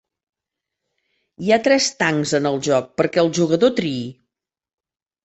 Hi ha tres tancs en el joc perquè el jugador triï.